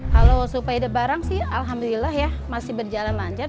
kalau supaya ada barang sih alhamdulillah ya masih berjalan lancar